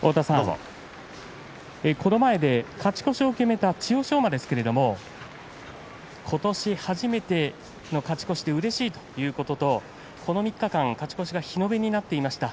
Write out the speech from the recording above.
この前で勝ち越しを決めた千代翔馬ですけれど今年初めての勝ち越しでうれしいということとこの３日間、勝ち越しが日延べになっていました。